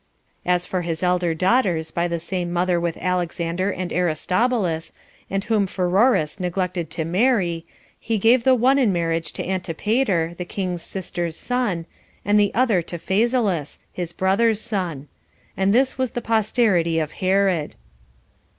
As for his elder daughters by the same mother with Alexander and Aristobulus, and whom Pheroras neglected to marry, he gave the one in marriage to Antipater, the king's sister's son, and the other to Phasaelus, his brother's son. And this was the posterity of Herod.